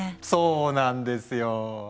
そうなんですよ。